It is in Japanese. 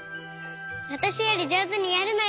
わたしよりじょうずにやるのよ！